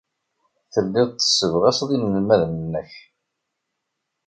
Telliḍ tessebɣaseḍ inelmaden-nnek.